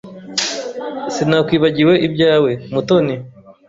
Sinakwibagiwe ibyawe, Mutoni.